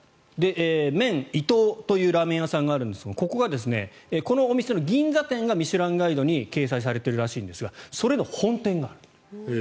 麺伊藤というラーメン屋さんがあるんですがこのお店の銀座店が「ミシュランガイド」に掲載されているらしいんですがそれの本店がある。